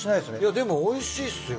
でもおいしいですよ。